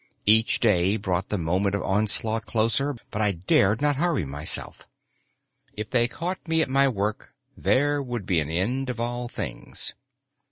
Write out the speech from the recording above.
Each day brought the moment of onslaught closer, but I dared not hurry myself. If they caught me at my work, there would be an end of all things.